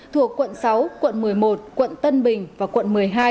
thuộc quận sáu quận một mươi một quận tân bình và quận một mươi hai